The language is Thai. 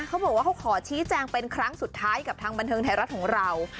เขาบอกว่าเขาขอชี้แจงเป็นครั้งสุดท้ายกับทางบันเทิงไทยรัฐของเรา